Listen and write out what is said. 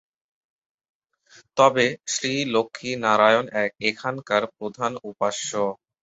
তবে শ্রী লক্ষ্মীনারায়ণ এখানকার প্রধান উপাস্য।